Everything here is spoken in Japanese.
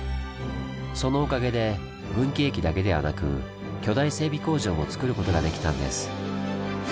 そのおかげで分岐駅だけではなく巨大整備工場もつくることができたんです。